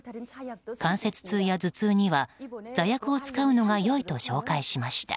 関節痛や頭痛には座薬が使うのが良いと紹介しました。